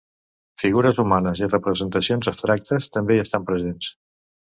Figures humanes i representacions abstractes també hi estan presents.